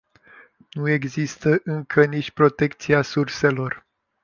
Nu există încă nici protecția surselor.